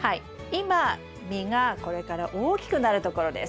今実がこれから大きくなるところです。